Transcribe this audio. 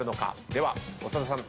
では長田さん